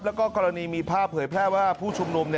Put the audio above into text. แล้วก็กรณีมีภาพเผยแพร่ว่าผู้ชุมนุม